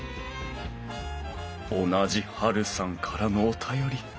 同じはるさんからのお便り。